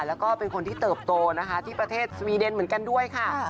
แล้วก็เป็นคนที่เติบโตนะคะที่ประเทศสวีเดนเหมือนกันด้วยค่ะ